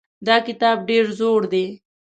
دا کتاب ډېر زوړ دی.